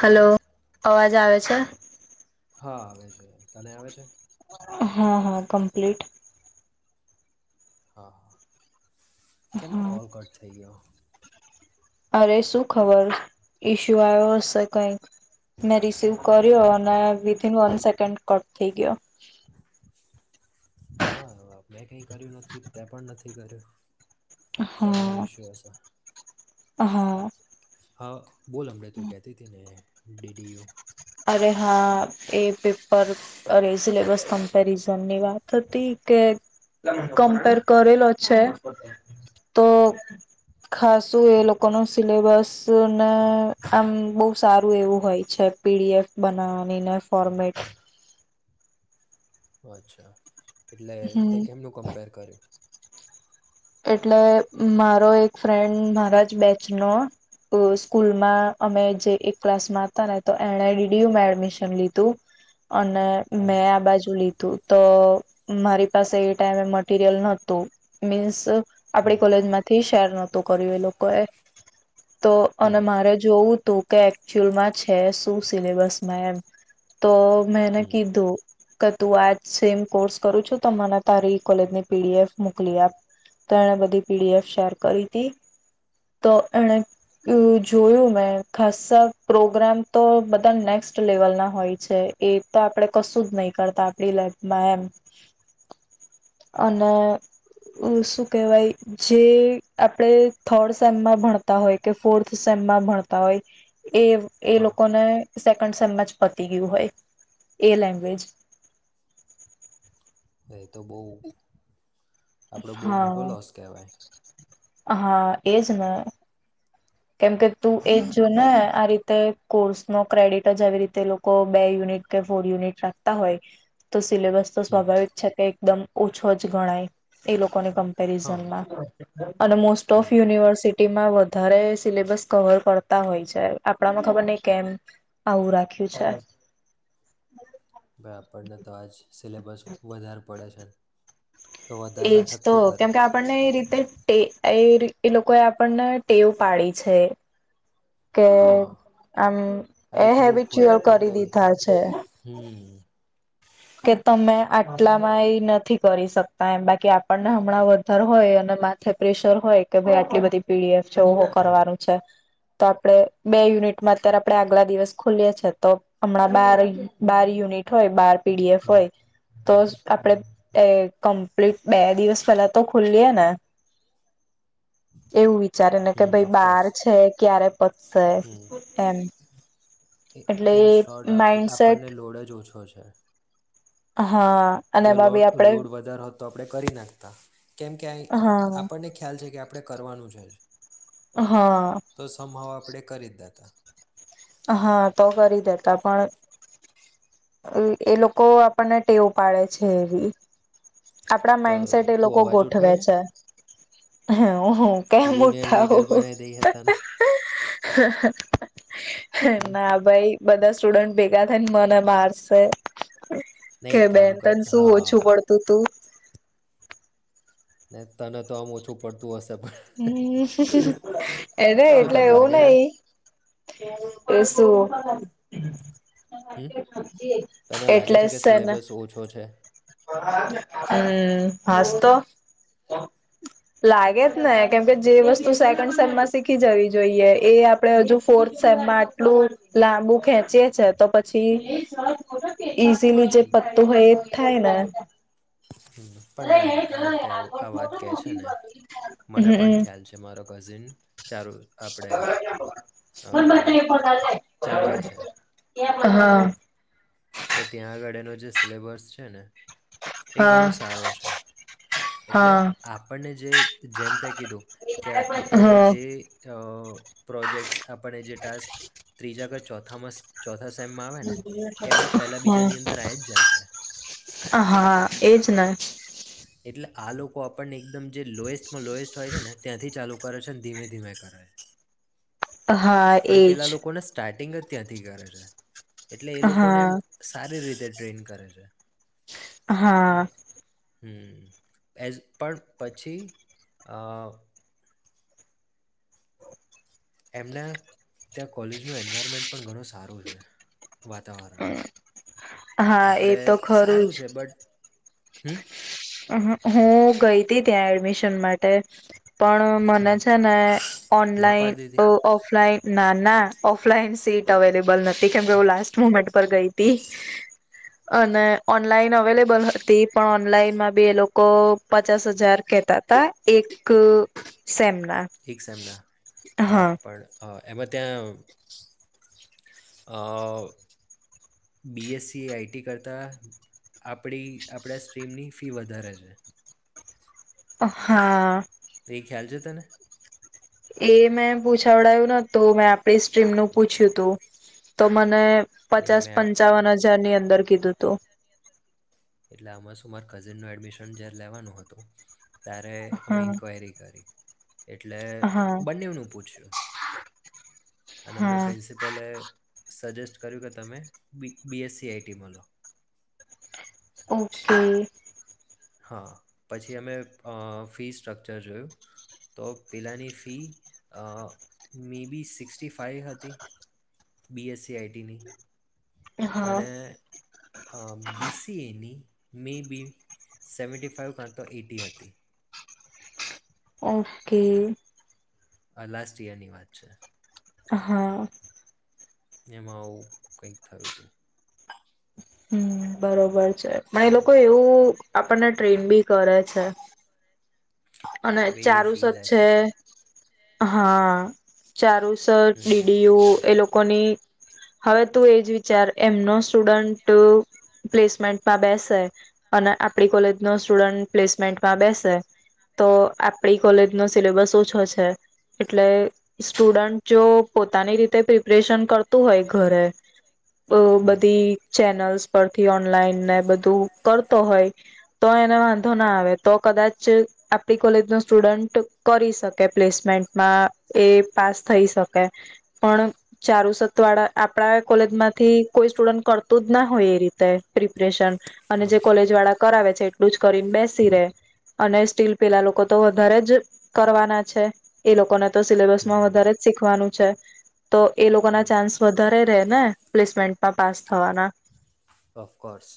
Hello hello અવાજ આવે છે? હા આવે છે તને આવે છે? હા હા કમ્પ્લીટ. હા હા. કેમનો હા કોલ કટ થઈ ગયો? અરે શું ખબર, ઈશુ આવયો હશે કઈ. મે રિસીવ કર્યો હા અને વિધન વન સ એનડ કટ થઈ ગયો. હા મેં કઈ કર્યું નથી તે પણ નથી કર્યું. [unintelligible] સર્વર હા એશ્યુ આશે. હા. હ. [unintelligible] બોલ હમડં તો કહેતી હતી ને ડિ ડિ ઉ અરે હા એ પેપર અરે સિલેબસ કમ્પેરિઝન ની વાત હતી કે, કમ્પેર કરેલો છે, તો ખાસું એ લોકો ન સિલેબસ ને આમ બહુ સારું એવું હોય છે. પીડીએફ બનાવવાનીને ફોર્મેટ અચ્છા. એટલે તે હમ કેમનું કમ્પેર કર્યું? એટલે મારો એક ફ્રેન્ડ મારા જ બેચ નો સ્કૂલમાં અમે જે એક ક્લાસમાં હતા ને તો એને ડીડીયુમાં એડમિશન લીધું. અને હમ મેં આ બાજુ લીધું તો મારી પાસે એ ટાઈમે મટીિરિયલ નહોતું મીન્સ આપડી હમ કોલેજ માંથી શેર ન તોું કર્યું એ લોકો એ તો હમ અને મારે જોવું તું કે એકચુઅલ માં છે શું સિલેબસમાં એમ તો મેને હમ કીધો કે તું આ સેમ કોર્સ કરું છું તો મને તારી કોલેજની પીડીએફ મોકલી આપ તો એણે બધી પીડીએફ શેર કરી હતી તો એણે જોયું મતો એને બધી પીડી એફ સેર કરીતી તો એને જોયુ મે ખાસા પ્રોગ્રામ તો બધા નેક્સ્ટ લેવલ ના હોય છે એ તો આપણે કશું જ નહી કરતા આપડી લેબમાં એમ અને શું કહેવાય જે આપડ થર્ડ સેમમાં ભણતા હોય કે ફોર્થ સેમમાં ભણતા હોય એ એ હા લોકોને સેકન્ડ સેમ જ પતી ગયું હોય એ લેંગ્વેજ એ તો બહુ આપડો બહુ હા મોટો લોસ કહેવાય હા એજ ને કેમકે તું એજ જો ને આ રીતે કોર્સ ન ક્રેડિટ જ આવી રીતે એ લોકો બે યુનિટ કે ફોર યુનિટ રાખતા હોય તો સિલેબસ તો હમ સ્વાભાવિક છે કે એકદમ ઓછો જ ગણાય એ લોકો એ લોકો ની હા કમપેરિઝન મા હમ ઓફ યુનિવર્સિટી ઇ માં વધારે સિલેબસ કવર કરતા હોય છે આપડામાં ખબર નહ કેમ આવું રાખ્યું છે ભાઈ આપણને તો આજ સિલેબસ વધારે પડે છે તો વધારે એજ રાખત તો શું કરે કેમ કે આપણને એ રીતે એ એય રી ઈ લોકોએ આપણને ટેવ પાડી છે. કે હા આમ એ આઈકલું ફૂલ હેબિચુઅલ કરી આપણે દીધા છે. હમ કે તમે આટલામાં એ નથી કરી શકતા એમ, બાકી આપણને હમણાં વધર હોય અને માથે પ્રેશર હોય કે ભાઈ આટલી બધી પી ડી એફ છે, ઓહો કરવાનું છે, તો આપણે બે યુનિટમાં અત્યારે આપણે આગલા દિવસ ખુલીએ છીએ તો હમણાં બાર ય બાર યુનિટ હોય બાર પી ડી એફ હોય તો જ આપણે અહ કમ્પ્લીટ, બે દિવસ પેલા તો ખુલીએને એવું વિચારે ને કે હમ ભાઈ બાર ઓફકોર્સ છે ક્યારે પતશે હમ એમ. એટલે ઇન શોર્ટ આપ માઈન્ડસેટ આપણને લોડ જ ઓછો છે. [inaudible] હા અને જો એમાં બી આપડે લોડ-લોડ વધારે હોત તો આપણે કરી નાખતા, કેમ કે અય હા આપણને ખ્યાલ છે કે આ આપડે કરવાનું છે જ. હા તો સમભાવ આપડે કરી જ દેતાં. હા તો કરી દેતા પણ એ એ લોકો આપણને ટેવ પાડે છે એવી. આપણા તો માઈન્ડસેટ એ તું લોકો અવાજ ઉઠાય ગોઠવે ને છે. [unintelligible] હું હું કેમ યુનિયન લીડર ઉઠાવું? બનાવી દઈ હતા ને હા હમ ના ભાઈ બધા સ્ટુડન્ટ ભેગા થઈન મને મારશે. કે નહીં કામ બેન કર તન શું ઓછું હા પડતું તું ને તને તો આમ ઓછું પડતું હશ હમ્મ બ એ ને શું એટલે તને એવું લાગે છે નહી, એ શું હા હમ્મ, તને લાગે છે કે સિલેબસ ઓછો છે? હમ્મ, હાસ તો, લાગે જ ને, કેમકે જે વસ્તુ સેકન્ડ સેમમાં શીખી જવી જોઈએ એ આપડે હજુ ફોર્થ સેમમાં આટલું લાંબુ ખેંચીએ છે તો પછી ઇઝીલી જે પત્તતું એ [unintelligible] થાય ને. પણ નાઈ આ તે આ વાત કહે છે ને મને પણ હમ ખ્યાલ છે મારો કઝિન ચારું આપણે અ, ચાંગા છે [unintelligible] હા. તો ત્યાં આગળ એનો જે સિલેબસ છે ને એ હા ઘણો સારો છે એટલે હા આપણને જે જેમ તે કીધું કે આપણને હા જે અહ પ્રોજેક્ટસ આપણને જે ટાસ્ક ત્રીજા કે ચો થોમસ ચોથ થા સેમ માં આવેને હમ્મ, હા એ [unintelligible] એટલે આ લોકો આપણને એકદમ જે લોએસ્ટ માં લોએસ્ટ હોય છે ને ત્યાંથી ચાલુ કરે છે, ધીમે-ધીમે કરે. હા એજ. ટિંગ જ ત્યાંથી કરે છે. એટલે એ લોકોને એમ હા સારી રીતે ટ્રેન કરે છે. હા. હમ્મ એ જ પણ પછી અહ એમના ત્યાં કોલેજનું એન્વાયરમેન્ટ પણ ઘણું સારું છે. વાતાવરણ. હા એ આપણે તો ખરું સારું છે બટ હમ્મ. હું ગઈ હતી ત્યાં એડમિશન માટે પણ મને હમ છે ને ના ઓનલાઈન પાડી દીધી અહ ઓફલાઈન ના, ના ઓફલાઈન સીટ અવેલેબલ નથી. [unintelligible] લાસ્ટ મુમેન્ટ ઉપર ગઈ તી, અને ઓનલાઈન અવેલેબલ હતી પણ ઓનલાઈનમાં બે લોકો પચાસ હજાર કેતા તા એક સેમ એક સેમના? હા પણ એમાં ત્યાં અહ બી એસ સી, આઈટી કરતાં આપણી આપણા સ્ટ્રીમની જ ફી વધારે છે. હા. ઈ ખ્યાલ છે તને? એ મેં પૂછાવડાયું ના તો મેં આપણી સ્ટ્રીમનું પૂછ્યું તું તો મને નહીં પચાસ મેં પંચાવન હજા જારની અંદર કીધું તું. એટલે આમાં શું મારે કઝિનનું એડમિશન જયાર લેવાનું હતું ત્યારે અમે હા ઇન્ક્વાયરી કરી. એટલે હા બંનેવનું પૂછ્યું. [inaudible] અને અમને હા પ્રિન્સિપલે સજેસ્ટ કર્યું કે તમે B B S C IT માં લો. ઓકે. હા પછી અમે અહ ફી સ્ટ્રક્ચર જોયું, તો પેલાંની ફી અહ મેબી સિક્સટી ફાઇવ હતી, બી એસ સી આઈ ટીની. હા અને અહ બી સી એ ની મેબી સેવન્ટી ફાઈવ કાં તો એઈટી હતી. ઓકે. આ લાસ્ટ યરની વાત છે. હા. એમાં આવું કંઈક થયું તું. હમ્મ બરોબર. ચે પણ એ હમ લોકો એવું આપણને ટ્રેન બી કરે છે. અને બે એ ચારૂસ જ ફીલ છે હા ચારું સ હમ ડી ડી યુ એ લોક કોની હવે તું એજ વિચાર એમનો સ્ટુડન્ટ પ્લેસમેન્ટમાં બેસે અને આપડી કોલેજ નો સ્ટુડન્ટ પ્લેસમેન્ટમાં બેસે તો આપણી કોલેજ નો સિલેબસ ઓછો છે, એટલે સ્ટુડન્ટ જો પોતાની રીતે પ્રિપરેશન કરતું હોય ઘરે તો હમ બધી ચેનલ્સ પરથી, ઓનલાઈનને બધું કરતો હોય તો એને વાંધો ના આવે, તો કદાચ આપ ણી કોલેજનો સ્ટુડન્ટ કરી શકે પ્લેસમેન્ટમાં એ પાસ થઈ શકે, પણ ચારુસ ત વાળા આપણા કોલેજમાંથી કોઈ સ્ટુડન્ટ કરતું જ ના હોય એ રીતે પ્રિપરેશન, અને હમ જે કોલેજ વાળા કરાવે છે કરીન બેસી રે અને સ્ટીલ પેલા લોકો તો વધારે જ કરવાના છે, એ લોકોને તો હમ સિલેબલ્સમાં હમ વધારે જ શીખવાનું છે તો એ લોકોના હમ ચાન્સ વધારે રે. ને પ્લેસમેન્ટમાં પાસ થાવાના. ઓફકોર્સ.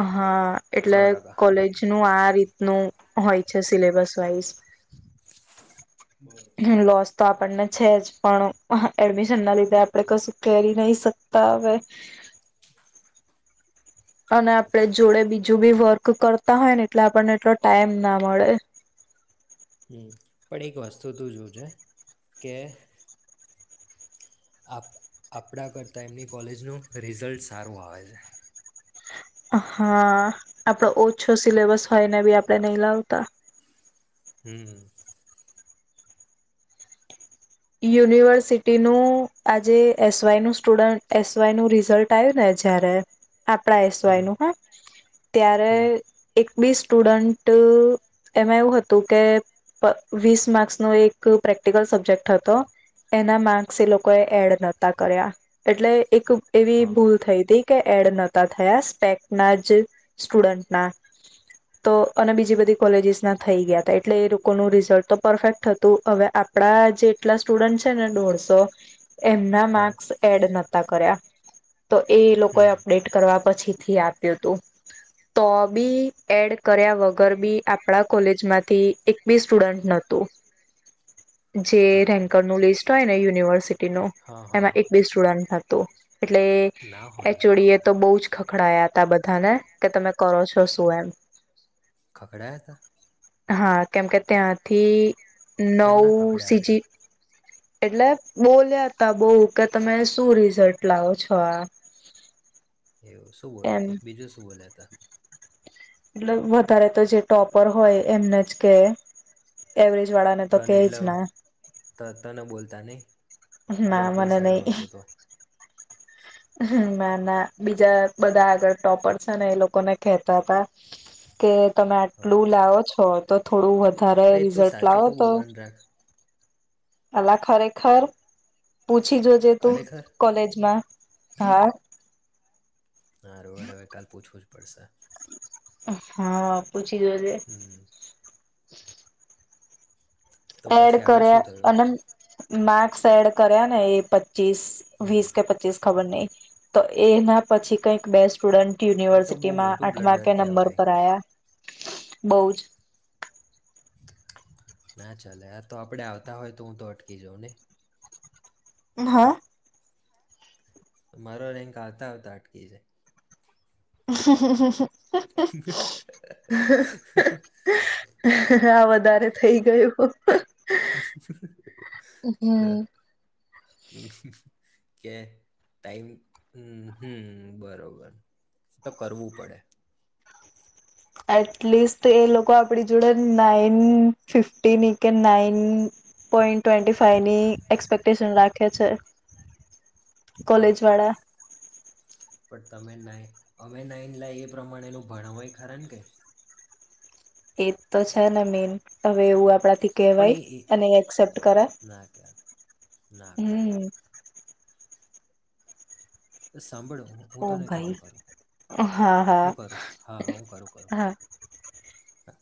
અહ હા. સો એટલે ટકા કોલેજ નું આ રીત નું હોય છે સિલેબસ વાઈઝ. [unintelligible] લૉસ તો આપણને છે જ પણ અહ એડમિશન ના લીધે આપરે કશું કરી નય શકતા હવે. અને આપણે જોડે બીજું બી વર્ક કરતા હોય ને એટલે આપણને એટલો ટાઈમ ના મળે. હમ્મ, પણ એક વસ્તુ તું જોજે કે આપ આપણા કરતા એમની કોલેજનું રિઝલ્ટ સારું આવે છે. હા, આપણે ઓછો સિલેબસ હોયને બી આપણે નઈ લાવતા. હમ્મ. યુનિવર્સિટીનું, આજે એસવાય નું, સ્ટુડન્ટ એસવાયનું રિઝલ્ટ આવ્યું ને, જયારે આપરા એસવાય હમ નું હો, ત્યારે હમ એક બી સ્ટુડન્ટ એમાં એવું હતું કે, વીસ માર્ક્સ નો એક પ્રેક્ટિકલ સબ્જેક્ટ હતો. તો એના માર્ક્સ એ લોકોએ એડ નતા કર્યાં એટલે એક એવી ભૂલ થઈ હતી. કે એડ નતા થયા, સ્પેક ના જ સ્ટુડન્ટના તો, અને તો બીજી બધી કોલેજીસના થઈ ગયા હતા. એટલે એ લોકોનું રિઝલ્ટ તો પરફેક્ટ હતું. હવે આપણા જે કેટલા સ્ટુડન્ટ છે ને દોઢસો. એમના માર્ક્સ એડ નતા કર્યા. તો એ લોકોએ હમ, અપડેટ કરવા પછીથી આપ્યું હતું. તો બી એડ કર્યા વગર બી આપણાં કોલેજમાંથી એક બી સ્ટુડન્ટ નતું [inaudible] છે. અરે અરે, રેન્કરનું લિસ્ટ હોય ને, યુનિવર્સિટીનું હા હા એમાં હા, એક બી સ્ટુડન્ટ તો. એટલે ના હોય, એચોડી એ તો બોવજ ખખડાયા ત બધાને કે તમે કરો છો શું એમ? ખખડડાયા તા? હા કેમ કે, ત્યાંથી નવ કેમના ખખડાયા હતા? સીજી એટલે બોલ્યા તા બહુ કે, તમે શું રિઝલ્ટ લાવો છો આ? એવું શું? એમ બીજું શું બોલ્ષા તા? એટલે વધારે તો જે ટોપર હોય એમને જ કે, એવરેજ વાળાને તો તને કે જ ના એટલે તને બોલતા નહી? ના જોપડી મને સાઈડ નહી. હોતું તો હ ના ના! બીજા બધા આગળ ટોપર છે ને, એ લોકોને કેહતા હતા કે તમે આટલું અચ્છા લાવો છો તો થોડું વધુ સારુ ભાઈ તું રિઝલ્ટ સાચું લાવો તો બોલવાનું રાખ અલા ખરેખર પૂછ પુછી જો જે તું ખરેખર કોલેજમાં. હા! હા રોડ હવે કાલ પૂછવું? પડશે.? હા! પૂછી જો જે. હમ તો એડ પછી આગળ શું કર્યા થયું અને માક્સ એડ કર્યા ને એ પચીસ હમ વીસ કે પચીસ ખબર નહીં તો એના પછી કઈક બે સ્ટુડન્ટ આ તો બહુ યુનિવર્સિટીમાં મોટું આઠમા બ્લન્ડર ક નંબર કહેવાય ઉપર આયા બહુ જ ના ચલે આ તો આપડે આવતા હોય તો હું તો અટકી જાઉં ને હા મારો રેન્ક આવતા આવતા અટકી છે હ હ હ હા વધારે થઈ ગયું હા હ કે ટાઈમ હમ હમ બરોબર તો કરવું પડે એટલીસ્ટ એ લોકો આપણી જોડે નાઈન ફિફ્ટીની કે નાઈન પોઈન્ટ ટ્વેન્ટી ફાઈવ ની એક્સપેક્ટેશન રાખ છે. કોણ કોલેજ વાળા પણ તમે અમે નાઈન લ એ પ્રમાણે ન ભણ હોય ખરાણ કે એ તો છે ને મેન હવે એવું આપડા પણ કહેવાય એ એ અને એક્સેપ્ટ કરાય ના કે ના કરે હમ અ સાંભળો હું ઓ તને ભાઈ કોલ કરું હા હા હું કરું હા હા હું કરું કરું હા હા